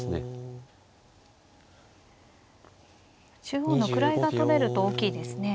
中央の位が取れると大きいですね。